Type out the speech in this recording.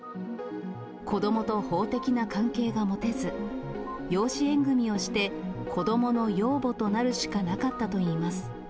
子どもと法的な関係が持てず、養子縁組みをして子どもの養母となるしかなかったといいます。